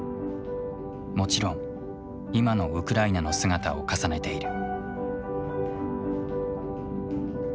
もちろん今のウクライナの姿を重ねている。